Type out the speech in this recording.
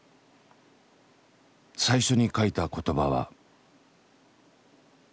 最初に書いた言葉は。